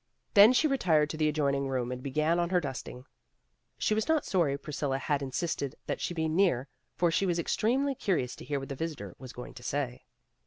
Then she retired to the adjoining room and began on her dusting. She was not sorry Priscilla had in sisted that she be near, for she was extremely curious to hear what the visitor was going to say.